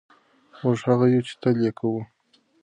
موږ هغه یو چې تل یې کوو.